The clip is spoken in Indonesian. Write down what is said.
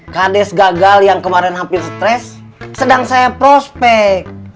kades gagal yang kemarin hampir stres sedang saya prospek